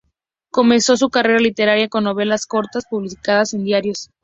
Comenzó su carrera literaria con novelas cortas publicadas en diarios.